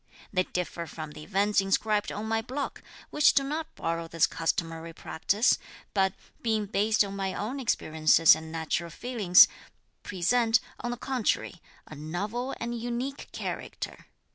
They differ from the events inscribed on my block, which do not borrow this customary practice, but, being based on my own experiences and natural feelings, present, on the contrary, a novel and unique character.